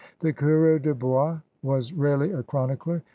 The coureur de bois was rarely a chronicler.